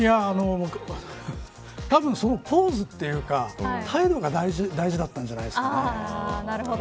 たぶん、そのポーズというか態度が大事だったんじゃないですか。